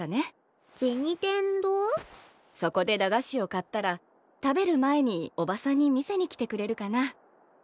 そこで駄菓子を買ったら食べる前におばさんに見せに来てくれるかな？